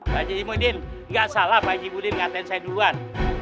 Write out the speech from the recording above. pak ji mudin gak salah pak ji mudin ngatain saya duluan